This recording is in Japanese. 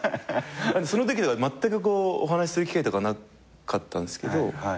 そのときはまったくお話しする機会なかったんすけど。